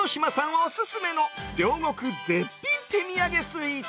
オススメの両国絶品手土産スイーツ！